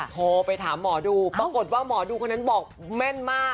โทรไปถามหมอดูปรากฏว่าหมอดูคนนั้นบอกแม่นมาก